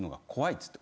っつって。